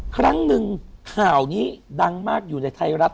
ครั้งหนึ่งข่าวนี้ดังมากอยู่ในไทยรัฐ